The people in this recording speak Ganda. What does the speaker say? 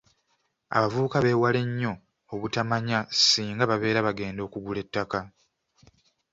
Abavubuka beewale nnyo obutamanya singa babeera bagenda okugula ettaka.